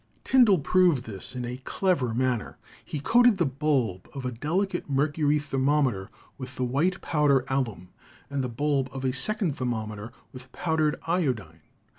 Tyndall proved this in a clever manner. He coated the THE NATURE OF LIGHT 113 bulb of a delicate mercury thermometer with the white powder alum and the bulb of a second thermometer with powdered iodine.